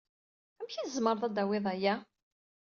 Amek ay tzemred ad tawyed aya?